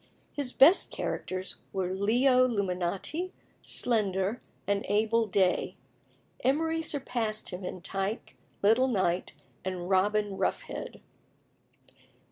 His best characters were Leo Luminati, Slender, and Abel Day. Emery surpassed him in Tyke, Little Knight, and Robin Roughhead.